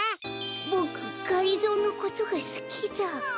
ボクがりぞーのことがすきだ。